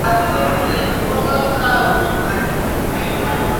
اوس به روژې د ابوجهل په نارو ماتوو !.